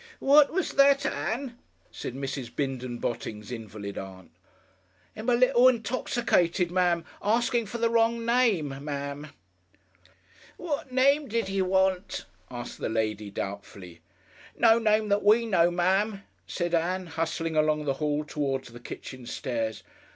"What was that, Ann?" said Mrs. Bindon Botting's invalid Aunt. "Ge'm a little intoxicated, Ma'am asking for the wrong name, Ma'am." "What name did he want?" asked the lady, doubtfully. "No name that we know, Ma'am," said Ann, hustling along the hall towards the kitchen stairs.